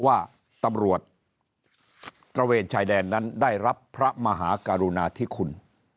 ว่าตำรวจตระเวนชายแดนนั้นได้รับพระมหากรุณาธิคุณ